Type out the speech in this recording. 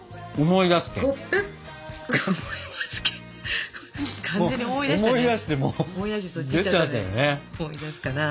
思い出すかな。